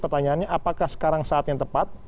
pertanyaannya apakah sekarang saat yang tepat